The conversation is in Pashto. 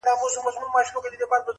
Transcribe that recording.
سکون مي ستا په غېږه کي شفا دي اننګو کي-